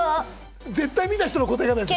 絶対見た人の答え方です。